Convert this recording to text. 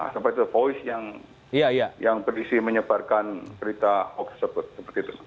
sampai itu voice yang berisi menyebarkan berita hoax tersebut